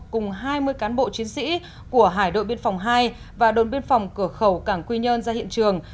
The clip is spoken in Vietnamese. cùng hai mươi cán bộ chiến sĩ của hải đội biên phòng hai và đồn biên phòng cửa khẩu cảng quy nhơn ra hiện trường